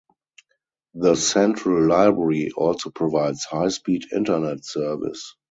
The Central library also provides high speed internet service.